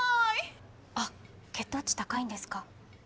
あっ血糖値高いんですか？